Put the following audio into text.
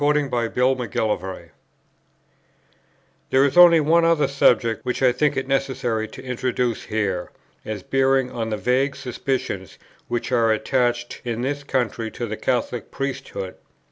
There is only one other subject, which I think it necessary to introduce here, as bearing upon the vague suspicions which are attached in this country to the Catholic Priesthood.